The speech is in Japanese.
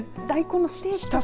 大根のステーキ。